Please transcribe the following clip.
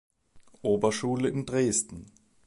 Oberschule in Dresden.